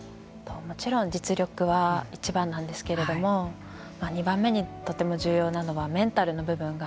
もちろん実力は一番なんですけれども２番目にとても重要なのはメンタルの部分が非常に大事で。